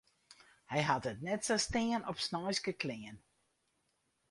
Hy hat it net sa stean op sneinske klean.